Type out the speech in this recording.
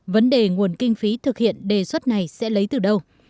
vấn đề nguồn kinh phí thực hiện đề xuất này sẽ lấy từ đâu